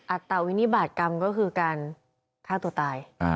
ัตตาวินิบาตกรรมก็คือการฆ่าตัวตาย